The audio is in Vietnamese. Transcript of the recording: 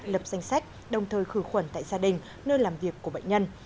lập danh sách đồng thời khử khuẩn tại gia đình nơi làm việc của bệnh nhân